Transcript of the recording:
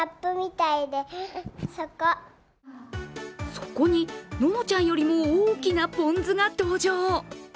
そこに、ののちゃんよりも大きなぽん酢が登場。